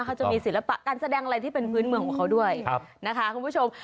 เขาจะมีศิลปะการแสดงอะไรที่เป็นพื้นเมืองของเขาด้วยนะคะคุณผู้ชม